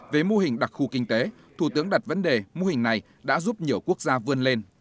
về mô hình đặc khu kinh tế thủ tướng đặt vấn đề mô hình này đã giúp nhiều quốc gia vươn lên